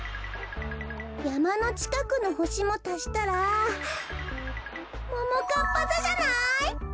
やまのちかくのほしもたしたらももかっぱざじゃない？